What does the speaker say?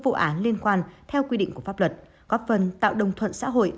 vụ án liên quan theo quy định của pháp luật góp phần tạo đồng thuận xã hội